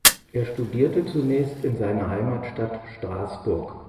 Er studierte zunächst in seiner Heimatstadt Straßburg.